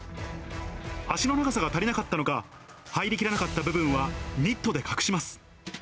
足の長さが足りなかったのか、入りきらなかった部分はニットで隠します。